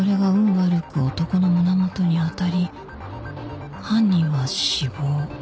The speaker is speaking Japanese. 悪く男の胸元に当たり犯人は死亡